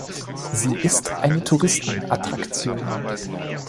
Sie ist eine Touristenattraktion.